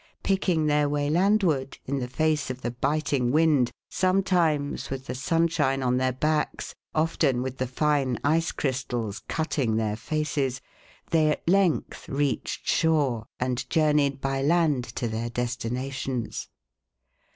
Picking their way landward, in the face of the biting wind, sometimes with the sunshine on their backs, often with the fine ice crystals cutting their faces, they at length reached shore, and journeyed by land to their destinations.